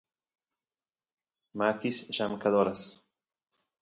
makis llamkadoras